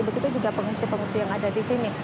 begitu juga pengungsi pengungsi yang ada di sini